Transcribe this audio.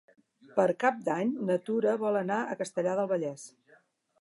Per Cap d'Any na Tura vol anar a Castellar del Vallès.